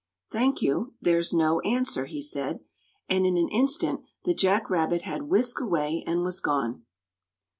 "Thank you. There's no answer," he said; and in an instant the Jack Rabbit had whisked away and was gone.